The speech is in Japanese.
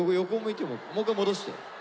もう一回戻して。